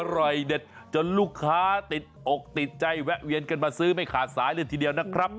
อร่อยเด็ดจนลูกค้าติดอกติดใจแวะเวียนกันมาซื้อไม่ขาดสายเลยทีเดียวนะครับ